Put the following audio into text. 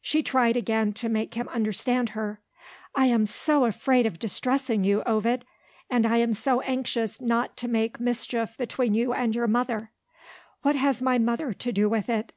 She tried again to make him understand her. "I am so afraid of distressing you, Ovid; and I am so anxious not to make mischief between you and your mother " "What has my mother to do with it?"